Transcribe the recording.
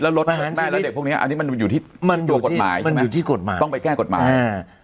แล้วลดแม่และเด็กพวกนี้อันนี้มันอยู่ที่ตัวกฎหมายต้องไปแก้กฎหมาย